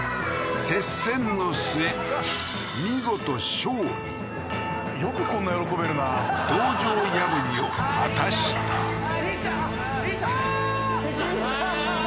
接戦の末見事勝利よくこんな喜べるな道場破りを果たしたりんちゃんりんちゃんああーああー